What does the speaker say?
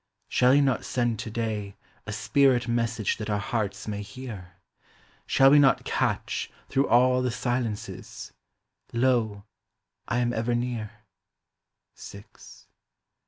Shall he not send today A spirit message that our hearts may hear? Shall we not catch, through all the silences, —" Lo, I am ever near, — VI.